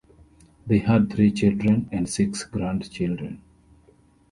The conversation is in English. They had three children and six grandchildren.